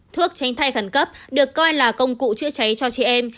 thuốc tránh thai khẩn cấp được coi là công cụ chữa cháy cho chị em